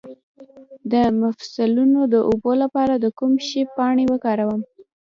د مفصلونو د اوبو لپاره د کوم شي پاڼې وکاروم؟